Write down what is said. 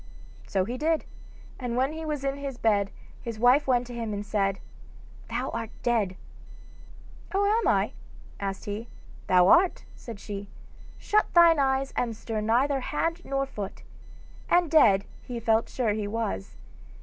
So he did, and when he was in his bed his wife went to him and said: 'Thou art dead.' 'Oh, am I?' asked he. 'Thou art,' said she; 'shut thine eyes and stir neither hand nor foot.' And dead he felt sure he was.